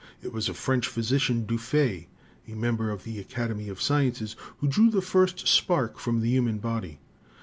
It was a French physician, Dufay, a member of the Academy of Sciences, who drew the first spark from the human body.